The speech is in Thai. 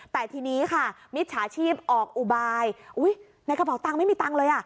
แต่ทีนี้ค่ะมิจฉาชีพออกอุบายในกระเป๋าตังค์ไม่มีตังค์เลยอ่ะ